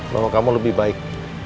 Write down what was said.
bahwa kamu lebih baik